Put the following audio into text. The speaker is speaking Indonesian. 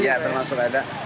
ya termasuk ada